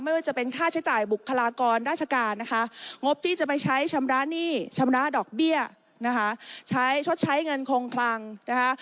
ไม่ว่าจะเป็นค่าใช้จ่ายบุคลากรราชการนะคะงบที่จะไปใช้ชำระหนี้ชำระดอกเบี้ยนะคะใช้ชดใช้เงินคงคลังนะคะ